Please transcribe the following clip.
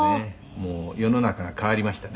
「もう世の中が変わりましたね」